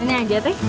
ini aja teh